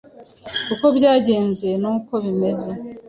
Uko byagenze Nuko bimeze